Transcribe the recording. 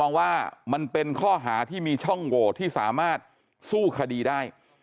ว่ามันเป็นข้อหาที่มีช่องโหวตที่สามารถสู้คดีได้